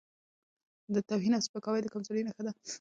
توهین او سپکاوی د کمزورۍ نښه ده.